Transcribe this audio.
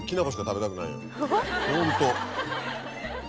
ホント。